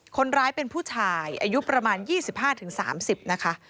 คนร้ายเป็นผู้ชายอายุประมาณ๒๕๓๐นะคะ